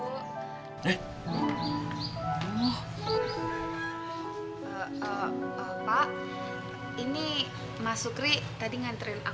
pak ini mas sukri tadi nganterin aku pulang